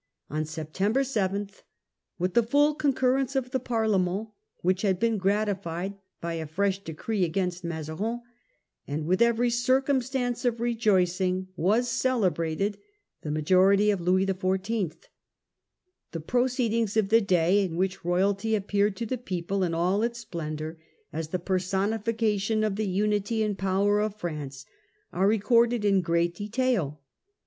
On September 7, with the full concurrence of the Parlement , which had been gratified by a fresh decree against Mazarin, and with every circumstance of rejoicing, was celebrated the majority of Louis XIV. The proceedings of the day, in which royalty appeared to the people in all its splendour, as the personification of the unity and power of France, are recorded in great detail.